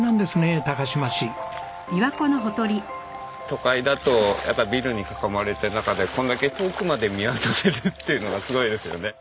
都会だとやっぱビルに囲まれた中でこれだけ遠くまで見渡せるっていうのがすごいですよね。